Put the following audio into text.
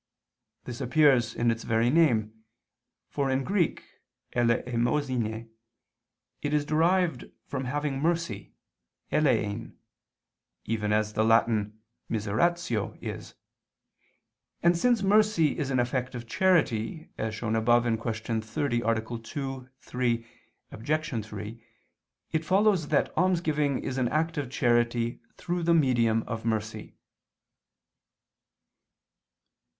This appears in its very name, for in Greek (eleemosyne) it is derived from having mercy (eleein) even as the Latin miseratio is. And since mercy is an effect of charity, as shown above (Q. 30, A. 2, A. 3, Obj. 3), it follows that almsgiving is an act of charity through the medium of mercy.